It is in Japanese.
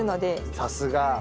さすが。